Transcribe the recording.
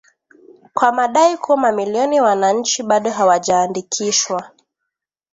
kwa madai kuwa mamilioni ya wananchi bado hawajaandikishwa